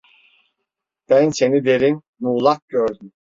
Ben seni derin, muğlak gördüm.